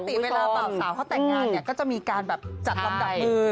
ปกติเวลาบ่าวสาวเขาแต่งงานเนี่ยก็จะมีการแบบจัดลำดับมือ